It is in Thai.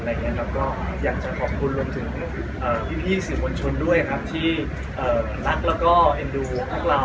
แล้วก็อยากจะขอบคุณรวมถึงพี่สื่อมวลชนด้วยครับที่รักแล้วก็เอ็นดูพวกเรา